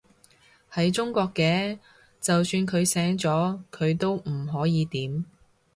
喺中國嘅，就算佢醒咗，佢都唔可以點